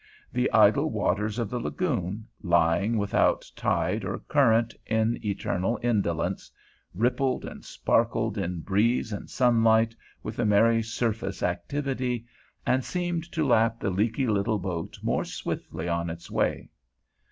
The idle waters of the lagoon, lying without tide or current in eternal indolence, rippled and sparkled in breeze and sunlight with a merry surface activity, and seemed to lap the leaky little boat more swiftly on its way.